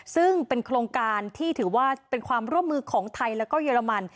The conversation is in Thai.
ซึ่งเป็นโครงการที่ถือว่าเป็นความร่วมมือของไทยแล้วก็เยอรมัน